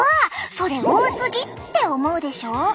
それ多すぎって思うでしょ？